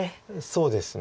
そうですね。